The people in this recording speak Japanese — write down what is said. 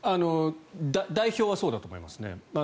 代表はそうだと思います。